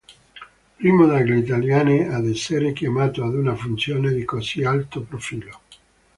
Primo degli italiani ad essere chiamato ad una funzione di così alto profilo.